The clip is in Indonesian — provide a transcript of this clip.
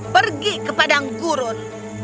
pergi ke padanggurun